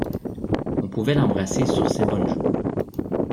On pouvait l'embrasser sur ses bonnes joues.